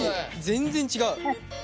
全然違う。